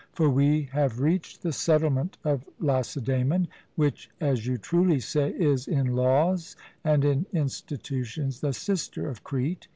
For we have reached the settlement of Lacedaemon; which, as you truly say, is in laws and in institutions the sister of Crete.